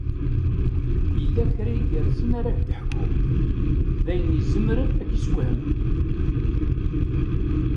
Yella kra igerrzen ara k-d-ḥkuɣ, d ayen izemren ad k-yessewhem.